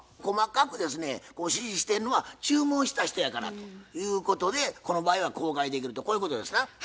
細かくですね指示してるのは注文した人やからということでこの場合は公開できるとこういうことですな？